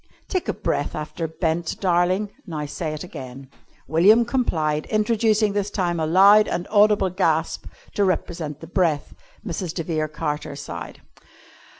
"Take a breath after 'bent,' darling. Now say it again." William complied, introducing this time a loud and audible gasp to represent the breath. Mrs. de Vere Carter sighed.